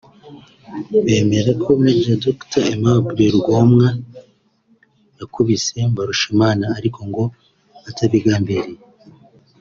bemera ko Maj Dr Aimable Rugomwa yakubise Mbarushimana ariko ngo atabigambiriye